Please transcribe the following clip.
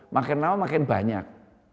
makin lama makin banyak